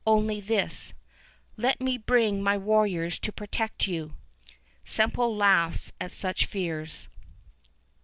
Only this, "Let me bring my warriors to protect you!" Semple laughs at such fears.